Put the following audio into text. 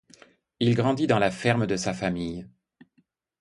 Il grandit dans la ferme de sa famille.